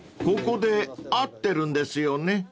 ［ここで合ってるんですよね？］